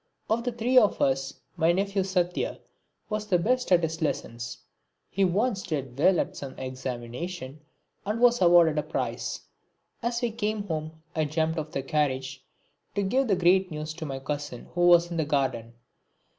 Of the three of us my nephew Satya was the best at his lessons. He once did well at some examination and was awarded a prize. As we came home I jumped off the carriage to give the great news to my cousin who was in the garden.